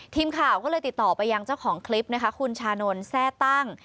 ทีมข่าวก็เลยติดต่อไปยังเจ้าของคลิปนะคะคุณชานนท์แซ่ตั้ง